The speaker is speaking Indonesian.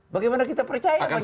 bagaimana kita percaya pancasila